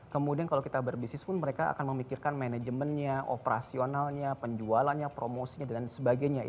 kemudian kalau kita berbisnis pun mereka akan memikirkan manajemennya operasionalnya penjualannya promosinya dan sebagainya